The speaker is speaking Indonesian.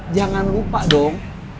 jangan lupa dong